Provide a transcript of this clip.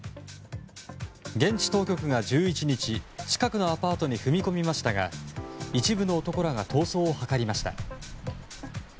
現地当局が１１日近くのアパートに踏み込みましたが一部の男らが逃走を図りました。